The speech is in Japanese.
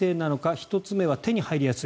１つ目は手に入りやすい。